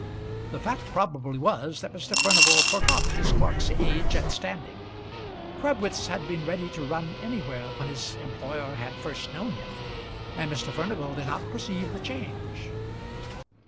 The fact probably was, that Mr. Furnival forgot his clerk's age and standing. Crabwitz had been ready to run anywhere when his employer had first known him, and Mr. Furnival did not perceive the change.